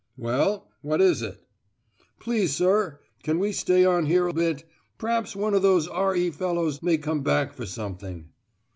"Well, what is it?" "Please sir, can we stay on here a bit? P'raps one of those R.E. fellows may come back for something."